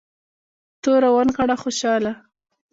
توره ونغاړه خوشحاله.